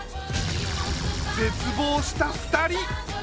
絶望した二人。